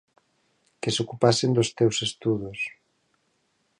que se ocupasen dos teus estudos